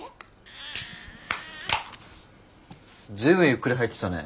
ずいぶんゆっくり入ってたね。